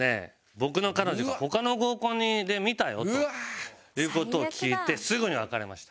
僕の彼女が「他の合コンで見たよ」という事を聞いてすぐに別れました。